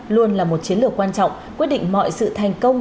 luôn là một chiến lược quan trọng quyết định mọi sự thành công